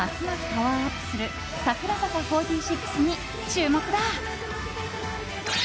パワーアップする櫻坂４６に注目だ。